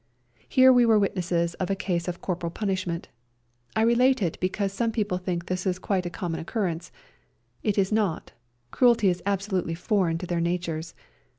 Here we were witnesses of a case of corporal punishment. I relate it because some people think this is quite a common occurrence ; it is not, cruelty is absolutely foreign to their natures.